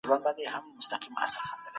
ولي له ناکامۍ وېره زموږ ذهني خلاقیت وژني؟